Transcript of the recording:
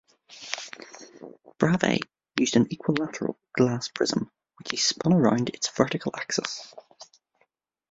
Bravais used an equilateral glass prism which he spun around its vertical axis.